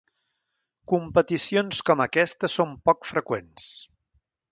Competicions com aquesta són poc freqüents.